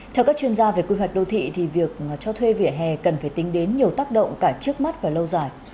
theo các chuyên gia về quy hoạch đô thị thì việc cho thuê vỉa hè cần phải tính đến nhiều tác động cả trước mắt và lâu dài